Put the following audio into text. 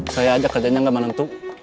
saya aja kerjanya nggak menentu